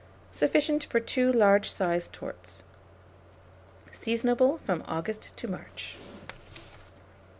Sufficient for 2 large sized tourtes. Seasonable from August to March.